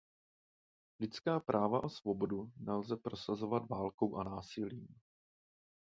Lidská práva a svobodu nelze prosazovat válkou a násilím.